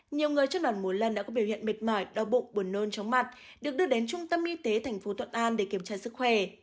nhiều người trong đoàn mùa lần đã có biểu hiện mệt mỏi đau bụng buồn nôn chóng mặt được đưa đến trung tâm y tế thành phố tuận an để kiểm tra sức khỏe